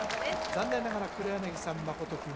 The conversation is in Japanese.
残念ながら黒柳さん真君